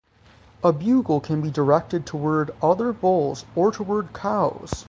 A bugle can be directed toward other bulls or toward cows.